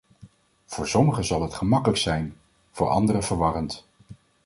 Voor sommigen zal het gemakkelijker zijn, voor anderen verwarrend.